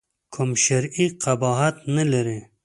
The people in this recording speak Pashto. کوم شرعي قباحت نه لري.